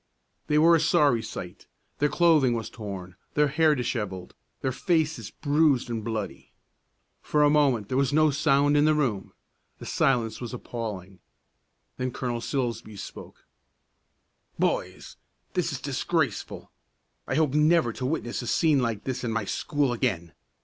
They were a sorry sight. Their clothing was torn, their hair dishevelled, their faces bruised and bloody. For a moment there was no sound in the room; the silence was appalling. Then Colonel Silsbee spoke, "Boys, this is disgraceful! I hope never to witness a scene like this in my school again.